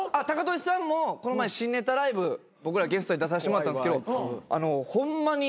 タカトシさんもこの前新ネタライブ僕らゲストで出さしてもらったんですけどホンマ